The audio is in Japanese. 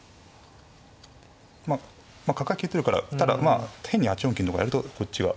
まあ角が利いてるからただまあ変に８四金とかやるとこっちは。